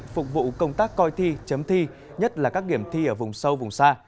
phục vụ công tác coi thi chấm thi nhất là các điểm thi ở vùng sâu vùng xa